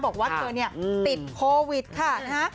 บอกว่าเธอเนี่ยติดโควิดค่ะนะฮะ